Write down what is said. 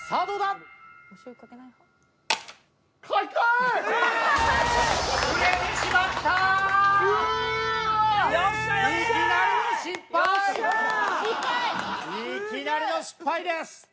いきなりの失敗です。